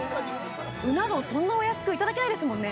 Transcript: うな丼そんなお安くいただけないですもんね